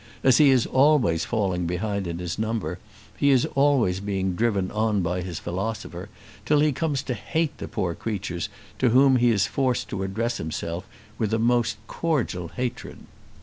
As he is always falling behind in his number, he is always being driven on by his philosopher, till he comes to hate the poor creatures to whom he is forced to address himself, with a most cordial hatred.